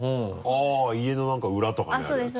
あぁ家の裏とかにあるやつ。